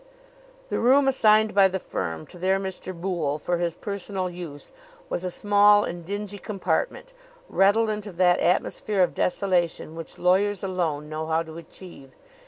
The room assigned by the firm to their Mr. Boole for his personal use was a small and dingy compartment, redolent of that atmosphere of desolation which lawyers alone know how to achieve.